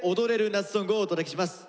夏ソングをお届けします。